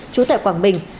trú tại quảng bình